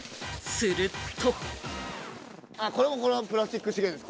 すると。